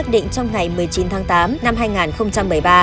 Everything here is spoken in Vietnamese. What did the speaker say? định trong ngày một mươi chín tháng tám năm hai nghìn một mươi ba